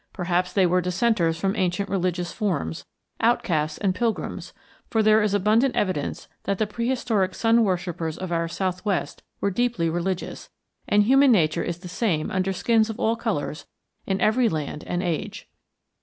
Perhaps they were dissenters from ancient religious forms, outcasts and pilgrims, for there is abundant evidence that the prehistoric sun worshippers of our southwest were deeply religious, and human nature is the same under skins of all colors in every land and age.